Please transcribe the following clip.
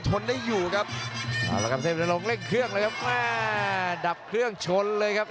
โอ้โหกระเพกซ้ำเลยครับ